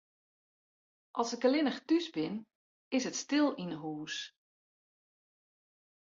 As ik allinnich thús bin, is it stil yn 'e hûs.